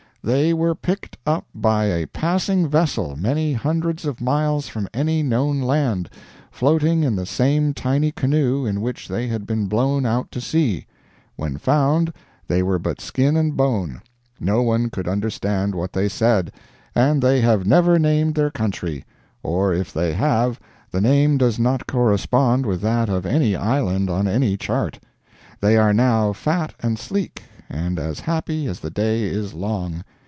"They were picked up by a passing vessel many hundreds of miles from any known land, floating in the same tiny canoe in which they had been blown out to sea. When found they were but skin and bone. No one could understand what they said, and they have never named their country; or, if they have, the name does not correspond with that of any island on any chart. They are now fat and sleek, and as happy as the day is long.